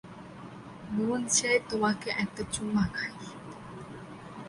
মন চায় তোমাকে একটা চুম্মা খাই।